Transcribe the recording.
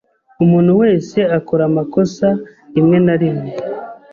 Umuntu wese akora amakosa rimwe na rimwe.